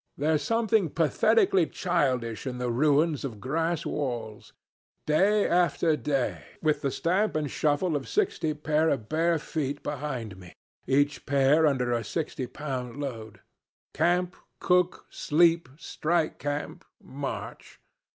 There's something pathetically childish in the ruins of grass walls. Day after day, with the stamp and shuffle of sixty pair of bare feet behind me, each pair under a 60 lb. load. Camp, cook, sleep, strike camp, march.